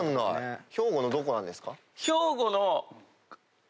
兵庫のどこなんですか？